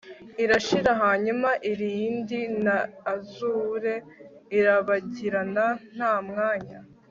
Irashira hanyuma irindi na azure irabagirana nta mwanya